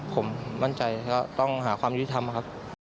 ผมมั่นใจก็ต้องหาความยุติธรรมครับ